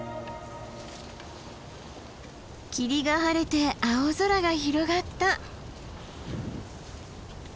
霧が晴れて青空が広がった。